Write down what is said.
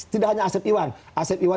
tidak hanya asep iwan